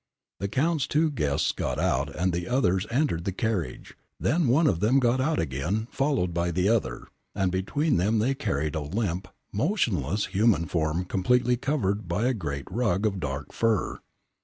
The Count's two guests got out and the others entered the carriage, then one of them got out again followed by the other, and between them they carried a limp, motionless human form completely covered by a great rug of dark fur.